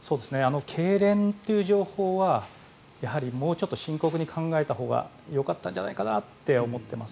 けいれんという情報はもうちょっと深刻に考えたほうがよかったんじゃないかなって思ってます。